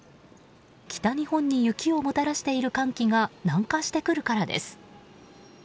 北日本に雪をもたらしている寒気が南下してくるからです。